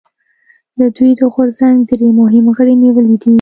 د دوی د غورځنګ درې مهم غړي نیولي دي